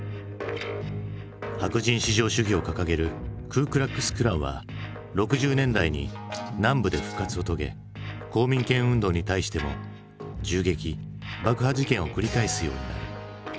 白人至上主義を掲げるクー・クラックス・クランは６０年代に南部で復活を遂げ公民権運動に対しても銃撃爆破事件を繰り返すようになる。